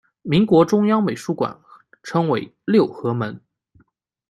民国中央国术馆称为六合门。